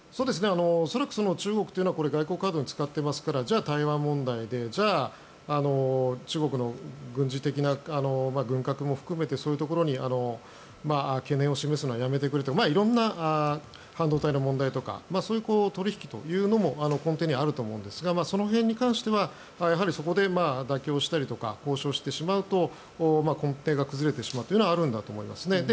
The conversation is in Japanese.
恐らく中国というのはこれを外交カードに使っていますから、台湾問題で中国の軍事的な軍拡も含めてそういうところに懸念を示すのはやめてくれとか色んな、半導体とかそういう取引というのも根底にあると思いますがその辺に関してはそこで妥協したりとか交渉してしまうと根底が崩れてしまうというのはあるんだと思いますね。